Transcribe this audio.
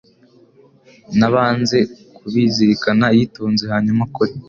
Nabanze kubizirikana yitonze hanyuma akore